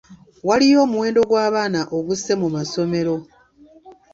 Waliyo omuwendo gw'abaana ogususse mu masomero.